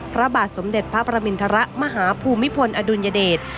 พระบาทสมเด็จพระประมินทรมาฮภูมิพลอดุลยเดช